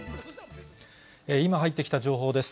今入ってきた情報です。